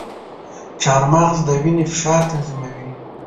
چارمغز د وینې فشار تنظیموي.